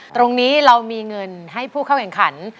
ตรงนี้เรามีเงินให้ผู้เข้าแข่งขัน